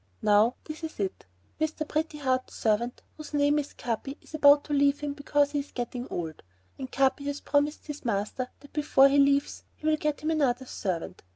Now this is it: Mr. Pretty Heart's servant, whose name is Capi, is about to leave him because he is getting old. And Capi has promised his master that before he leaves he will get him another servant.